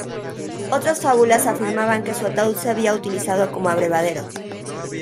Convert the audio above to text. Otras fábulas afirmaban que su ataúd se había utilizado como abrevadero.